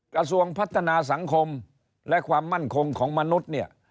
กระทรวงพัฒนาสังคมและความมั่นคงของมนุษย์เนี่ย